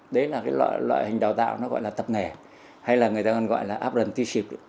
đấy là loại hình đào tạo gọi là tập nghề hay là người ta gọi là apprenticeship